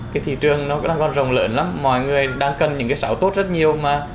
cái thị trường nó còn rồng lớn lắm mọi người đang cần những cái xáo tốt rất nhiều mà